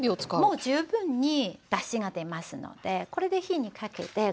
もう十分にだしが出ますのでこれで火にかけて５分ぐらい煮ましょう。